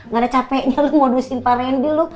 gak ada capeknya lu modusin pak randy lu